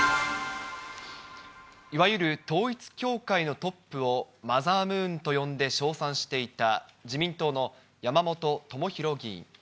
いわゆる統一教会のトップをマザームーンと呼んで称賛していた、自民党の山本朋広議員。